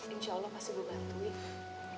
insya allah pasti gue bantuin